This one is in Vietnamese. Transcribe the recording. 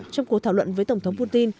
trong cuộc thảo luận với tổng thống putin